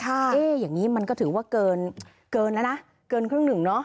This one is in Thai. เอ๊ะอย่างนี้มันก็ถือว่าเกินแล้วนะเกินครึ่งหนึ่งเนาะ